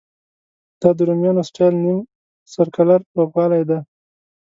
دا د رومیانو سټایل نیم سرکلر لوبغالی دی.